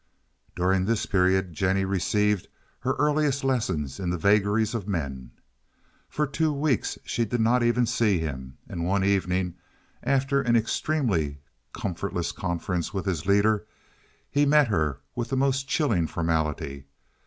During this period Jennie received her earliest lesson in the vagaries of men. For two weeks she did not even see him, and one evening, after an extremely comfortless conference with his leader, he met her with the most chilling formality.